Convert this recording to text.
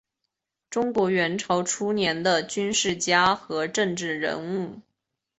中国元朝初年的军事家和政治人物。